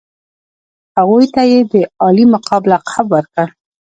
هغوی ته یې د عالي مقام لقب ورکړ.